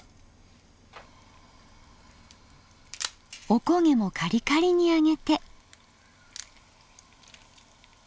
おこげもカリカリに揚げて。